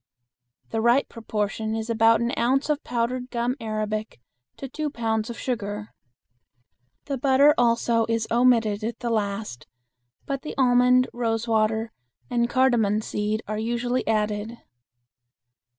The right proportion is about an ounce of powdered gum arabic to two pounds of sugar. The butter also is omitted at the last, but the almond, rose water, and cardamon seed are usually added.